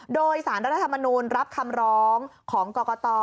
โดยสารรัฐธรรมนูลรับคำร้องของกรกต